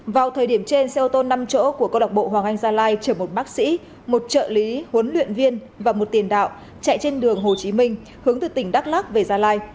vào thời điểm trên xe ô tô năm chỗ của câu lạc bộ hoàng anh gia lai chở một bác sĩ một trợ lý huấn luyện viên và một tiền đạo chạy trên đường hồ chí minh hướng từ tỉnh đắk lắc về gia lai